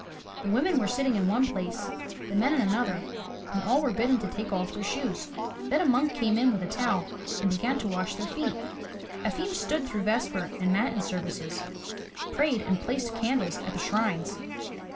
The women were sitting in one place, the men in another and all were bidden to take off their shoes. Then a monk came in with a towel and began to wash their feet. Efim stood through vesper and matin services, prayed and placed candles at the shrines.